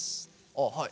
あっはい。